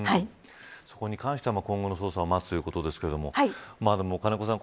そこに関しては今後の捜査を待つということですが金子さん